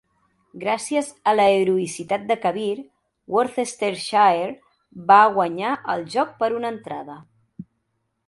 Gràcies a l'heroïcitat de Kabir, Worcestershire va guanyar el joc per una entrada.